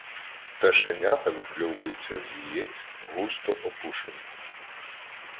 Пташенята викльовуються з яєць густо опушені.